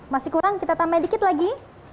masih kurang kita tambah dikit lagi